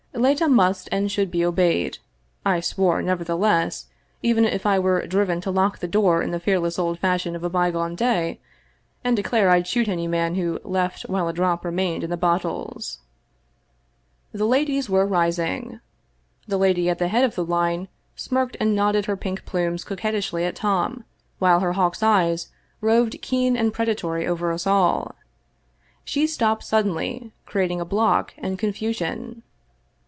Leta must and should be obeyed, I swore, nevertheless, even if I were driven to lock the door in the fearless old fashion of a bygone day, and declare Fd shoot any man who left while a drop remained in the bottles. The ladies were rising. The lady *at the head of the line smirked and nodded her pink plumes coquettishly at Tom, while her hawk's eyes roved * keen and predatory over us all. She stopped suddenly, creating a block and confusion.